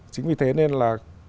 chính vì thế nên là